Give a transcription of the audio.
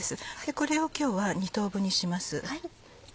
これを今日は２等分にします。